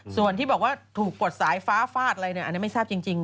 ส่วนที่บอกว่าถูกกดสายฟ้าฟาดอะไรเนี่ยอันนี้ไม่ทราบจริง